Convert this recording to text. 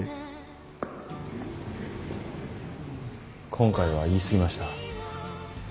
今回は言い過ぎました。